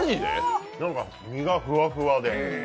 なんか、身がふわふわで。